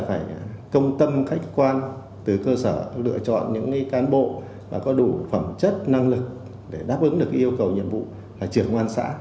phải công tâm khách quan từ cơ sở lựa chọn những cán bộ mà có đủ phẩm chất năng lực để đáp ứng được yêu cầu nhiệm vụ trưởng công an xã